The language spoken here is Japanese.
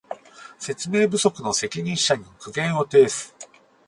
説明不足の責任者に苦言を呈す